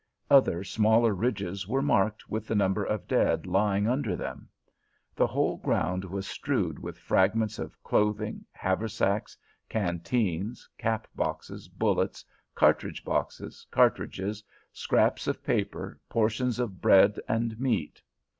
Other smaller ridges were marked with the number of dead lying under them. The whole ground was strewed with fragments of clothing, haversacks, canteens, cap boxes, bullets, cartridge boxes, cartridges, scraps of paper, portions of bread and meat.